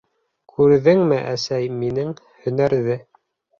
— Күрҙеңме, әсәй, минең һөнәрҙе.